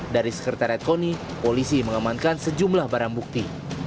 dari sekretariat koni polisi mengamankan sejumlah barang bukti